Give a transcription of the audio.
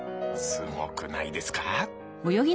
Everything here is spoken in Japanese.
すごくないですか？